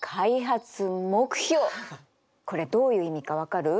これどういう意味か分かる？